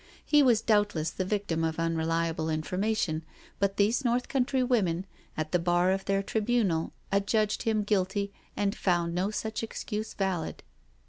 He was doubtless the victim of unreliable information, but these North Coun try women, at the bar of their tribunal, adjudged him guilty, and found no such excuse valid.